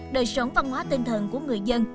đời sống văn hóa tinh thần của người dân